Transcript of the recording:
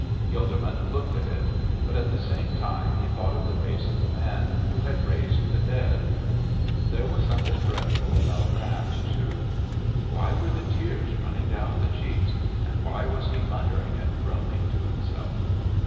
Gilderman looked at it, but at the same time he thought of the face of the Man who had raised the dead; there was something dreadful about that, too. Why were the tears running down the cheeks, and why was He muttering and groaning to Himself?